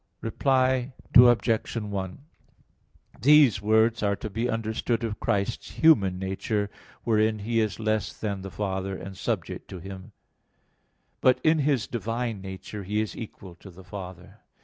Reply Obj. 1: These words are to be understood of Christ's human nature, wherein He is less than the Father, and subject to Him; but in His divine nature He is equal to the Father.